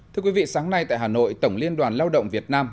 thưa quý vị sáng nay tại hà nội tổng liên đoàn lao động việt nam